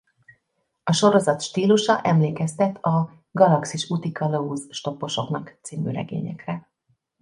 A sorozat stílusa emlékeztet a Galaxis útikalauz stopposoknak c. regényekre.